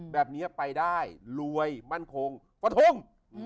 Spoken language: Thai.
แบบนี้ไปได้รวยมั่นคงฟะทง